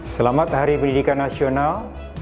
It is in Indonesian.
selamat hari pendidikan nasional